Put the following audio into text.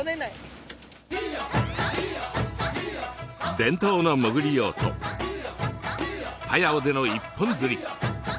伝統の潜り漁とパヤオでの一本釣り。